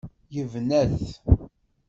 Yebna-t.